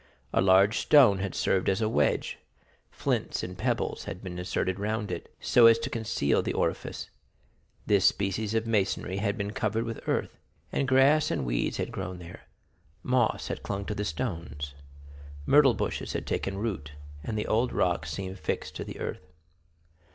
A large stone had served as a wedge; flints and pebbles had been inserted around it, so as to conceal the orifice; this species of masonry had been covered with earth, and grass and weeds had grown there, moss had clung to the stones, myrtle bushes had taken root, and the old rock seemed fixed to the earth.